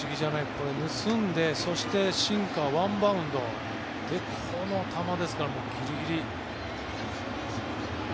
これ盗んでそしてシンカー、ワンバウンドでこの球ですからギリギリ。